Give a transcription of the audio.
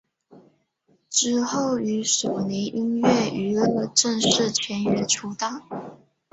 之后与索尼音乐娱乐正式签约出道。